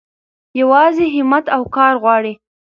يوازې هيمت او کار غواړي.